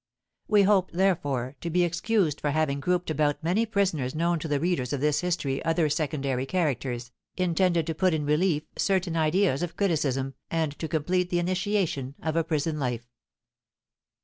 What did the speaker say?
We hope, therefore, to be excused for having grouped about many prisoners known to the readers of this history other secondary characters, intended to put in relief certain ideas of criticism, and to complete the initiation of a prison life.